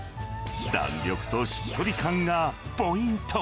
弾力としっとり感がポイント。